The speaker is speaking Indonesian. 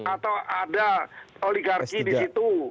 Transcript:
atau ada oligarki di situ